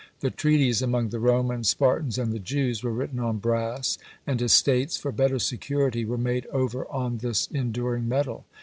The treaties among the Romans, Spartans, and the Jews, were written on brass; and estates, for better security, were made over on this enduring metal.